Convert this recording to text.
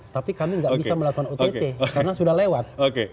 tapi kami nggak bisa melakukan ott karena sudah lewat